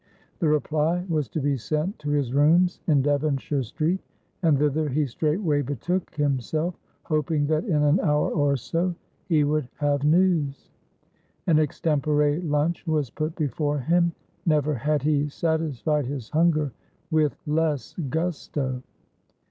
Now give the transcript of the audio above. The reply was to be sent to his rooms in Devonshire Street, and thither he straightway betook himself, hoping that in an hour or so he would have news. An extempore lunch was put before him; never had he satisfied his hunger with less gusto.